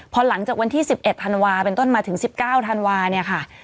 พอหลังจากวันที่๑๑ธันวาเป็นต้นมาถึง๑๙ธันวาเนี่ยค่ะ